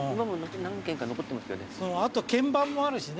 あと見番もあるしね